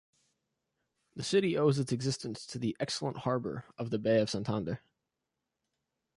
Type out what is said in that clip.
The city owes its existence to the excellent harbour of the Bay of Santander.